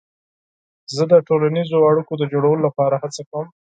زه د ټولنیزو اړیکو د جوړولو لپاره هڅه کوم.